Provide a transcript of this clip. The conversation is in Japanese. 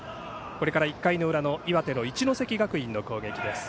これから１回の裏の岩手の一関学院の攻撃です。